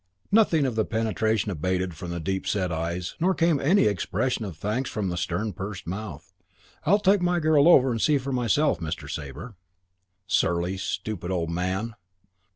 Nothing, of the penetration abated from the deep set eyes, nor came any expression of thanks from the stern, pursed mouth. "I'll take my girl over and see for myself, Mr. Sabre." Surly, stupid old man!